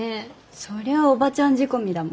そりゃおばちゃん仕込みだもん。